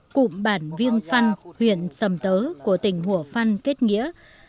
cụm bản viêng phăn huyện sầm tớ của tỉnh hủa phăn kết nghĩa